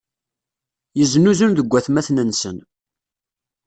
Yeznuzun deg watmaten-nsen.